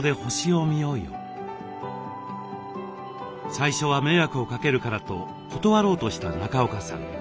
最初は迷惑をかけるからと断ろうとした中岡さん。